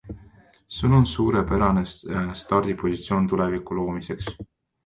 Sul on suurepärane stardipositsioon tuleviku loomiseks.